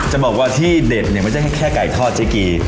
จะบอกว่าที่เด็ดเนี่ยไม่ใช่แค่ไก่ทอดเจ๊กี